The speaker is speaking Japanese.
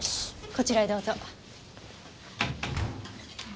こちらへどうぞ。